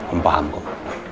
om paham om